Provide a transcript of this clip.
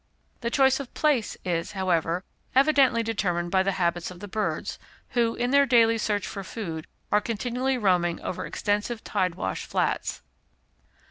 The choice of place is, however, evidently determined by the habits of the birds, who, in their daily search for food, are continually roaming over extensive tide washed flats.